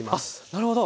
なるほど。